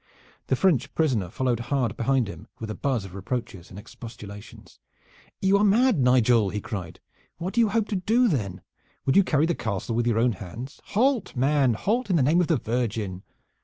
The French prisoner followed hard behind him, with a buzz of reproaches and expostulations. "You are mad, Nigel!" he cried. "What do you hope to do then? Would you carry the castle with your own hands? Halt, man, halt, in the name of the Virgin!"